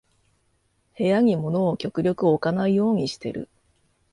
部屋に物を極力置かないようにしてる